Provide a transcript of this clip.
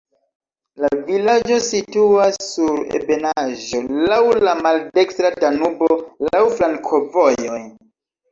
La vilaĝo situas sur ebenaĵo, laŭ la maldekstra Danubo, laŭ flankovojoj.